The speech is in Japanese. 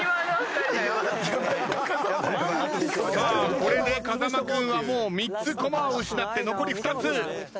これで風間君はもう３つコマを失って残り２つ。